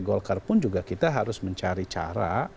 golkar pun juga kita harus mencari cara